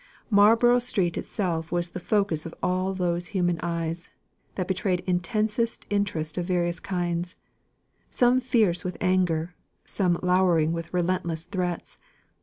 Marlborough Street itself was the focus of all those human eyes, that betrayed intensest interest of various kinds; some fierce with anger, some lowering with relentless threats!